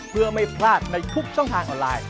เพื่อไม่พลาดในทุกช่องทางออนไลน์